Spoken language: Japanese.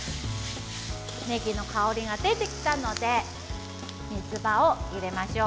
ねぎの香りが出てきたのでみつばを入れましょう。